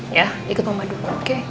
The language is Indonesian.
ya ikut mama dulu oke